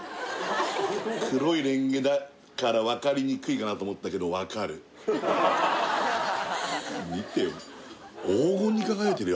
黒いれんげだから分かりにくいかなと思ったけど分かる見てよ黄金に輝いてるよ